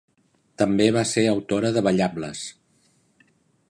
També va ser autora de ballables.